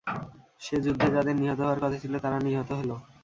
সে যুদ্ধে যাদের নিহত হওয়ার ছিল তারা নিহত হল।